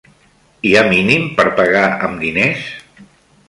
Hi ha mínim per pagar amb diners?